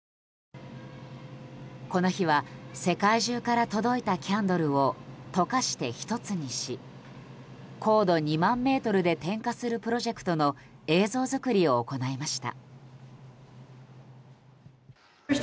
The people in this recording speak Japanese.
この日は世界中から届いたキャンドルを溶かして１つにし高度２万ｍで点火するプロジェクトの映像作りを行いました。